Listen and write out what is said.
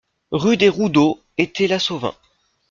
Rue des Roubdeaux, Étais-la-Sauvin